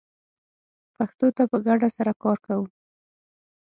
پښتو ته په ګډه سره کار کوو